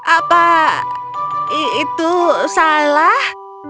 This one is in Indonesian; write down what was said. apa itu salah